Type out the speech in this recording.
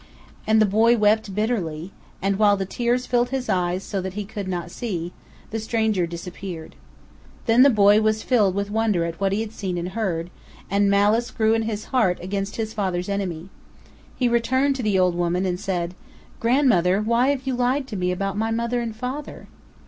And the boy wept bitterly and, while the tears filled his eyes so that he could not see, the stranger disappeared. Then the boy was filled with wonder at what he had seen and heard, and malice grew in his heart against his father's enemy. He returned to the old woman and said, "Grandmother, why have you lied to me about my father and mother?"